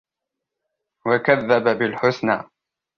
وَكَذَّبَ بِالْحُسْنَى